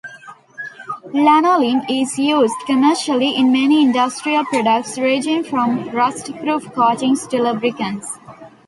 Lanolin is used commercially in many industrial products ranging from rust-proof coatings to lubricants.